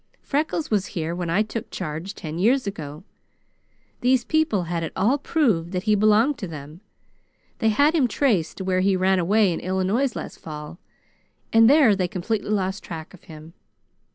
"Freckles was here when I took charge, ten years ago. These people had it all proved that he belonged to them. They had him traced to where he ran away in Illinois last fall, and there they completely lost track of him.